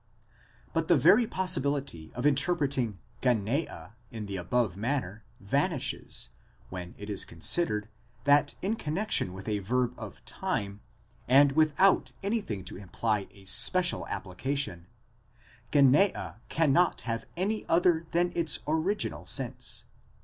2 But the very possibility of interpreting γενεὰ in the above manner vanishes, when it is considered, that in connexion with a verb of time, and without anything to imply a special application, γενεὰ cannot have any other than its original sense: 1.